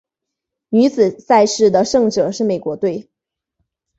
女子赛事的胜者是美国队。